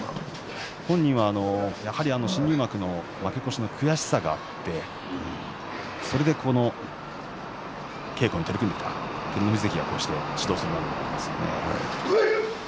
本人は、やはり新入幕の負け越しの悔しさがあってそれで稽古に取り組む、そして照ノ富士関が指導していることもあるんですね。